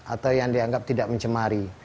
atau yang dianggap tidak mencemari